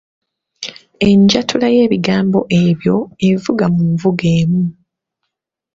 Enjatula y’ebigambo ebyo evuga mu nvuga emu.